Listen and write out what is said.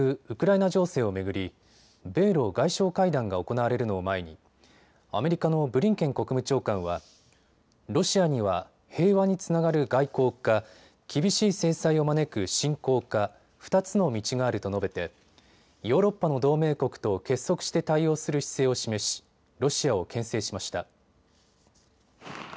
ウクライナ情勢を巡り、米ロ外相会談が行われるのを前にアメリカのブリンケン国務長官はロシアには平和につながる外交か厳しい制裁を招く侵攻か２つの道があると述べてヨーロッパの同盟国と結束して対応する姿勢を示しロシアをけん制しました。